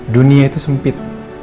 dunia itu sempit